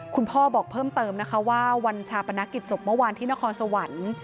พ่อบอกเพิ่มเติมนะคะว่าวันชาปนกิจศพเมื่อวานที่นครสวรรค์